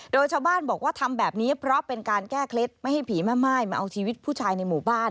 โดยชาวบ้านบอกว่าทำแบบนี้เพราะเป็นการแก้เคล็ดไม่ให้ผีแม่ม่ายมาเอาชีวิตผู้ชายในหมู่บ้าน